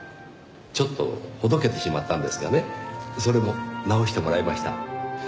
ちょっとほどけてしまったんですがねそれも直してもらいました。